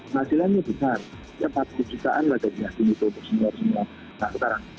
hasilannya besar ya pasti kejutaan lah jadi hakim itu untuk semua semua nah sekarang